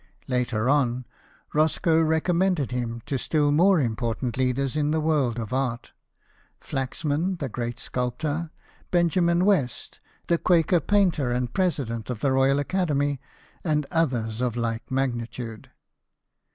Later on, Roscoe recommended him to still more important leaders in the world of art Flaxman the great sculptor, Benjamin West, the Quaker painter and Presi dent of the Royal Academy, and others of like magnitude.